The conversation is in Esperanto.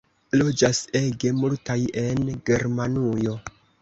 Loĝas ege multaj en Germanujo.